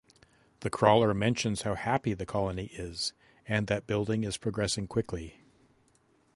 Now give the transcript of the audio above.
The crawler mentions how happy the colony is, and that building is progressing quickly.